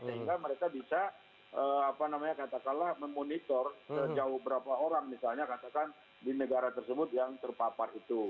sehingga mereka bisa katakanlah memonitor sejauh berapa orang misalnya katakan di negara tersebut yang terpapar itu